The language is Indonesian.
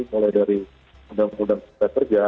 mulai dari undang undang pekerja